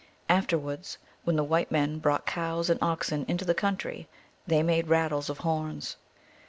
Afterwards, when the white men brought cows and oxen into the country, they made rattles of horns.